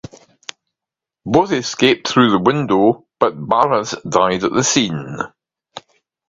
Both escaped through the window but Barras died at the scene.